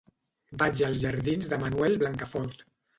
Vaig als jardins de Manuel Blancafort.